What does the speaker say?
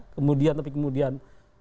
kemudian tapi kemudian